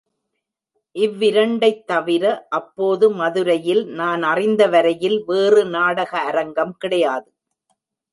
இவ்விரண்டைத் தவிர அப்போது மதுரையில் நான் அறிந்த வரையில் வேறு நாடக அரங்கம் கிடையாது.